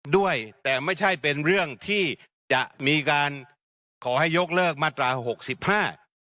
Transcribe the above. ด้วยแต่ไม่ใช่เป็นเรื่องที่จะมีการขอให้ยกเลิกมาตราหกสิบห้า